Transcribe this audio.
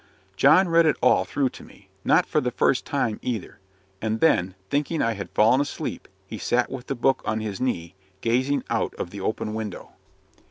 John read it all through to me not for the first time either; and then, thinking I had fallen asleep, he sat with the book on his knee, gazing out of the open window.